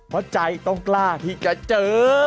เพราะใจต้องกล้าที่จะเจอ